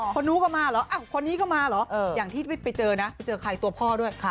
พนนักร้องก็มาหรอใครตัวพ่อด้วย